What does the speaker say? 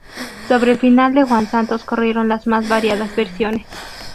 Sobre el final de Juan Santos corrieron las más variadas versiones.